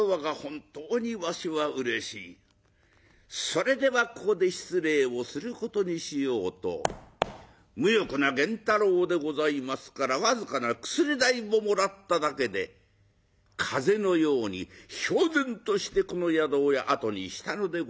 それではここで失礼をすることにしようと無欲な源太郎でございますから僅かな薬代をもらっただけで風のようにひょう然としてこの宿を後にしたのでございました。